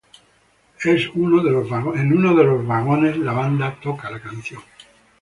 En uno de los vagones la banda toca la canción.